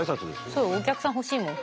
そうお客さん欲しいもん。